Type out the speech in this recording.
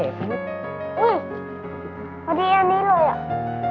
อุ๊ยพอดีอันนี้เลยอะ